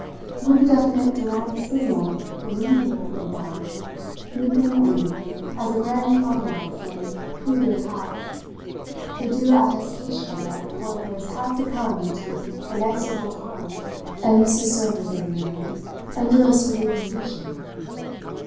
Would the definite dramatic signal for ringing the curtain down be then only as a grand climax and coup de théâtre the due attestation that poor Briss had succumbed to inexorable time and Mrs. Server given way under a cerebral lesion?